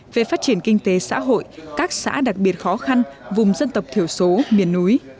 về phát triển kinh tế xã hội các xã đặc biệt khó khăn vùng dân tộc thiểu số miền núi